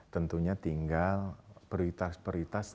tentunya tinggal perintah perintah yang baik